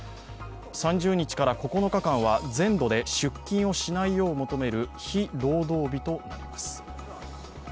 ３０日から９日間は全土で出勤しないよう求める非労働日となります。